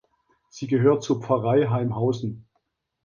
Sie gehört zur Pfarrei Haimhausen.